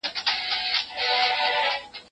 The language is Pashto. زه به مطالعه کړي وي.